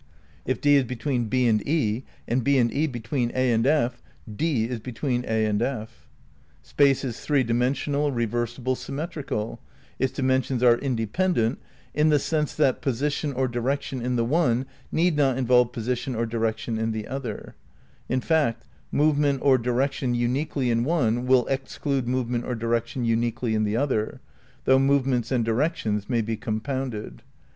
If D is between B and E, and B and E between A and F, D is between A and F.) Space is three dimensional, reversible, symmetrical; its di mensions are independent, in the sense that position or direc tion in the one need not involve position or direction in the other; in fact, movement or direction uniquely in one will exclude movement or direction uniquely in the other, though movements and directions may be compounded.